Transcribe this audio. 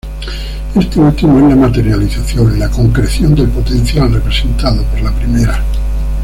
Este último es la materialización, la concreción del potencial representado por la primera.